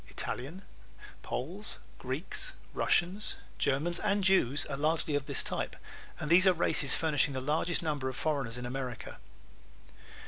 Italians, Poles, Greeks, Russians, Germans and Jews are largely of this type and these are the races furnishing the largest number of foreigners in America.